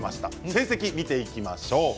成績を見ていきましょう。